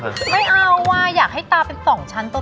ไม่เอาว่ะอยากให้ตาเป็น๒ชั้นต้น